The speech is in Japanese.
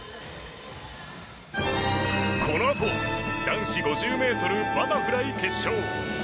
このあと男子５０ｍバタフライ決勝。